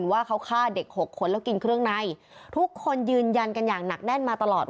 ว่าเขาฆ่าเด็กหกคนแล้วกินเครื่องในทุกคนยืนยันกันอย่างหนักแน่นมาตลอด